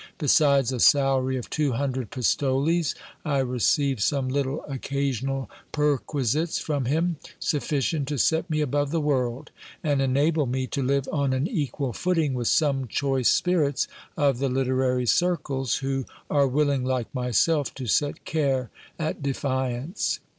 Besides a salary of two hundred pistoles, I receive some little occa sional perquisites from him, sufficient to set me above the world, and enable me to live on an equal footing with some choice spirits of the literary circles, who are willing, like myself, to set care at defiance.